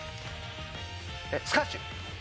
スカッシュ。